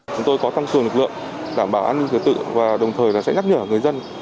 chúng tôi có tăng cường lực lượng đảm bảo an ninh cửa tự và đồng thời sẽ nhắc nhở người dân